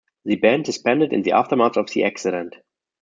The band disbanded in the aftermath of the accident.